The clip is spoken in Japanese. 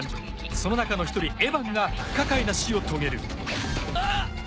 そのなかの１人エバンが不可解な死を遂げるあっ！